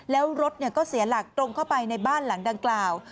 แล้วรถก็เสียหลักตรงเข้าไปในบ้านหลังดังกล่าว